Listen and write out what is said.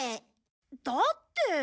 だって。